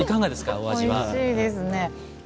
おいしいですね。